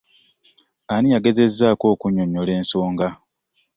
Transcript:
Ani yagezezzaako okunnyonnyola ensonga?